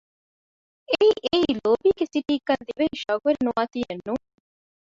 އެއީ އެއީ ލޯބީގެ ސިޓީ ކިޔަން ދިވެހިން ޝައުގުވެރި ނުވާތީއެއް ނޫން